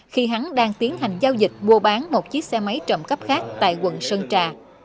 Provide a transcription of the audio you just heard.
khi hắn đang tiến hành giao dịch mua bán một chiếc xe máy trộm cắp khác tại quận sơn trà